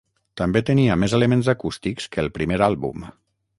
També tenia més elements acústics que el primer àlbum.